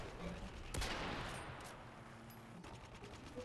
na inawacha wanawake wengi hawawezi tena kutumika kazi kwani ukisha kubakwa